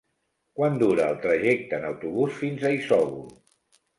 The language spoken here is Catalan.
Quant dura el trajecte en autobús fins a Isòvol?